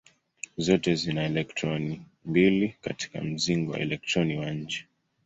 Zote zina elektroni mbili katika mzingo elektroni wa nje.